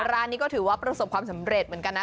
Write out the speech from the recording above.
ร้านนี้ก็ถือว่าประสบความสำเร็จเหมือนกันนะ